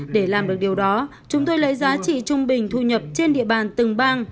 để làm được điều đó chúng tôi lấy giá trị trung bình thu nhập trên địa bàn từng bang